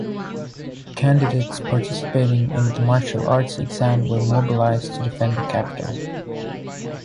Candidates participating in the martial arts exam were mobilized to defend the capital.